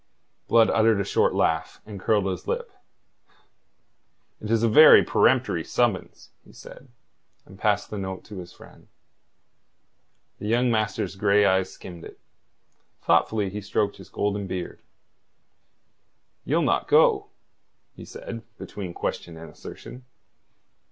Blood uttered a short laugh, and curled his lip. "It is a very peremptory summons," he said, and passed the note to his friend. The young master's grey eyes skimmed it. Thoughtfully he stroked his golden beard. "You'll not go?" he said, between question and assertion.